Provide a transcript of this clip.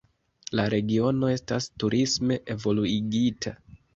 La regiono estas turisme evoluigita.